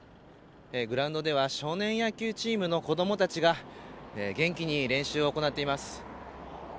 グラウンドでは少年野球チームの子どもたちが元気に練習を行っています。